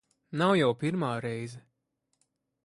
Nav jau pirmā reize.